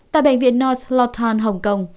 tại bệnh viện north lawton hồng kông